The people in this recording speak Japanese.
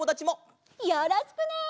よろしくね！